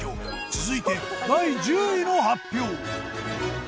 続いて第１０位の発表。